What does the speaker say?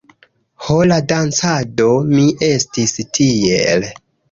Ho la dancado! Mi estis tiel...